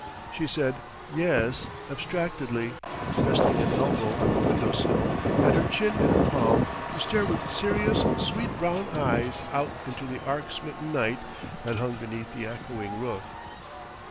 She said "Yes" abstractedly, resting an elbow on the window sill and her chin in her palm, to stare with serious, sweet brown eyes out into the arc smitten night that hung beneath the echoing roof.